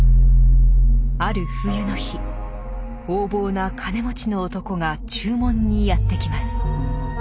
ある冬の日横暴な金持ちの男が注文にやって来ます。